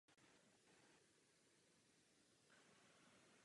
V současné době je spojován především se svými účinky na léčbu závislostí.